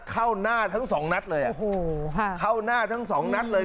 เข้าหน้าทั้งสองนัดเลยอ่ะโอ้โหค่ะเข้าหน้าทั้งสองนัดเลย